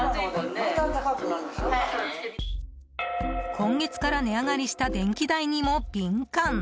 今月から値上がりした電気代にも敏感。